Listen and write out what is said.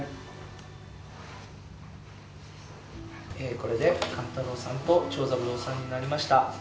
これで勘太郎さんと長三郎さんになりました。